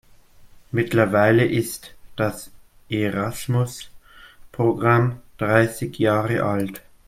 Mittlerweile ist das Erasmus-Programm dreißig Jahre alt.